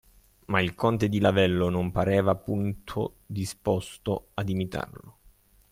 Ma il conte di Lavello non pareva punto disposto ad imitarlo.